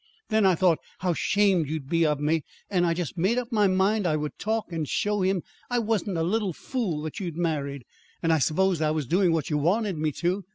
Then I thought how 'shamed you'd be of me, and I just made up my mind I would talk and show him it wasn't a a little fool that you'd married; and I s'posed I was doing what you wanted me to.